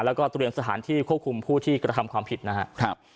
แล้วก็เตรียมสถานที่ควบคุมผู้ที่กระทำความผิดนะครับ